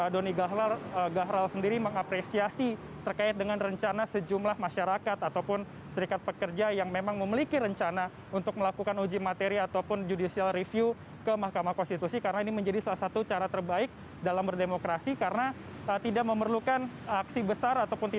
dan ini nantinya akan dibuat oleh dpr ri